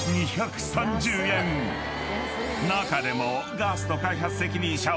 ［中でも］